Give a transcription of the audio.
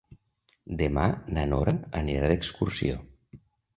Demà na Nora anirà d'excursió.